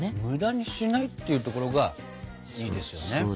無駄にしないっていうところがいいですよね。